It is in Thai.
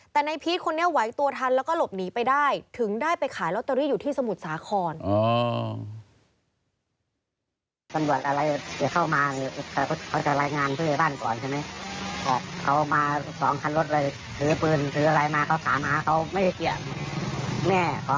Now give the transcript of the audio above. แต่ในพีชคนนี้ไหวตัวทันแล้วก็หลบหนีไปได้ถึงได้ไปขายลอตเตอรี่อยู่ที่สมุทรสาคร